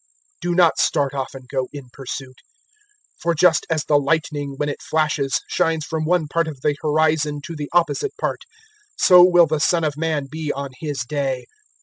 Do not start off and go in pursuit. 017:024 For just as the lightning, when it flashes, shines from one part of the horizon to the opposite part, so will the Son of Man be on His day.